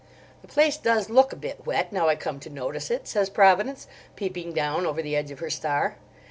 "The place does look a bit wet, now I come to notice it," says Providence, peeping down over the edge of her star.